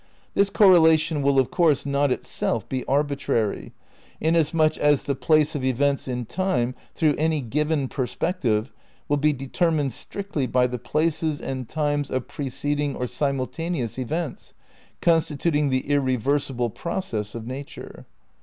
This correlation will of course not itself be arbitrary, inasmuch as the place of events in time through any given perspective will be determined strictly by the places and times of preceding or simul taneous events constituting the irreversible process of nature.